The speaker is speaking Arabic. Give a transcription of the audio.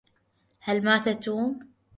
هل مات توم؟